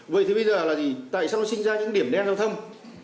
vậy thì bây giờ là tại sao nó sinh ra những điểm đen giao thông